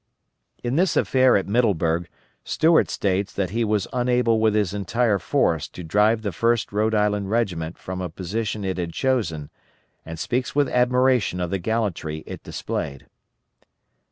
In this affair at Middleburg, Stuart states that he was unable with his entire force to drive the 1st Rhode Island regiment from a position it had chosen, and speaks with admiration of the gallantry it displayed.